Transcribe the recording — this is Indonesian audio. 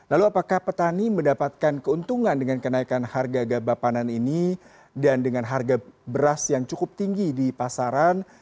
lalu apakah petani mendapatkan keuntungan dengan kenaikan harga gabah panan ini dan dengan harga beras yang cukup tinggi di pasaran